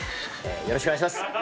よろしくお願いします。